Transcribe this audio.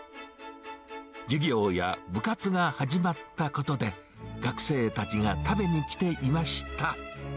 授業や部活が始まったことで、学生たちが食べにきていました。